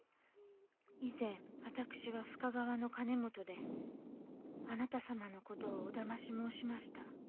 以前私は深川のかね本であなた様の事をお騙し申しました。